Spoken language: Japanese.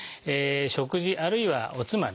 食事あるいはおつまみ。